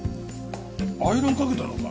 アイロンかけたのか？